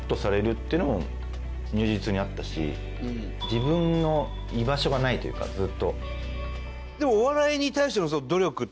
自分の居場所がないというかずっと。